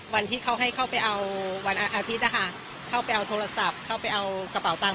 วันที่เขาให้เข้าไปเอาวันอาทิตย์นะคะเข้าไปเอาโทรศัพท์เข้าไปเอากระเป๋าตังค